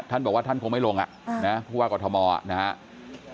ท่านบอกว่าท่านคงไม่ลงผู้ว่ากอทมนะครับ